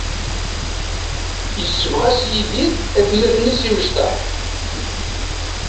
Yessebɣas Yidir atmaten-is imecṭaḥ.